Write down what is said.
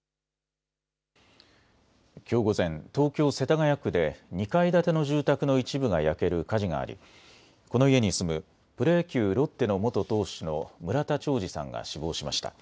きょう午前、東京世田谷区で２階建ての住宅の一部が焼ける火事がありこの家に住むプロ野球、ロッテの元投手の村田兆治さんが死亡しました。